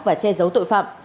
và che giấu tội phạm